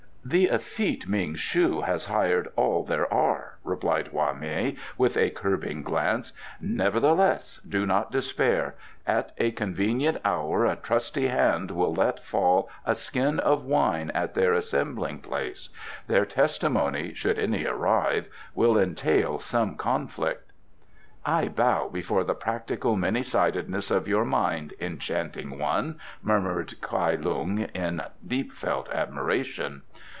"The effete Ming shu has hired all there are," replied Hwa mei, with a curbing glance. "Nevertheless, do not despair. At a convenient hour a trusty hand will let fall a skin of wine at their assembling place. Their testimony, should any arrive, will entail some conflict." "I bow before the practical many sidedness of your mind, enchanting one," murmured Kai Lung, in deep felt admiration.